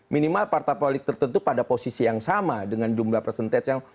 minimal partai politik tertentu pada posisi yang sama dengan jumlah persentase yang